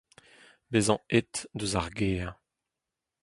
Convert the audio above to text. bezañ aet eus ar gêr